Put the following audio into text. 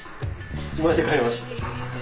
自前で買いました。